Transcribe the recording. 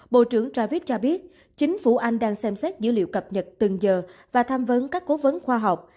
bộ trưởng ravich cho biết chính phủ anh đang xem xét dữ liệu cập nhật từng giờ và tham vấn các cố vấn khoa học